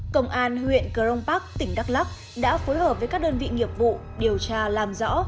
công an huyện cờ rông bắc tỉnh đắk lắc đã phối hợp với các đơn vị nghiệp vụ điều tra làm rõ